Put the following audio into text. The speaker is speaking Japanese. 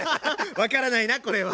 分からないなこれは！